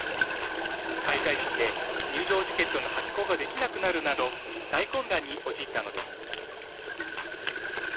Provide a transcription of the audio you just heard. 開会式で入場チケットの発行ができなくなるなど、大混乱に陥ったのです。